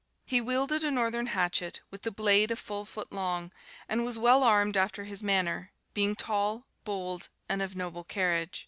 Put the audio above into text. He wielded a northern hatchet, with the blade a full foot long; and was well armed after his manner, being tall, bold, and of noble carriage.